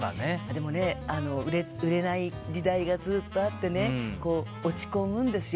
でもね売れない時代がずっとあって落ち込むんですよ。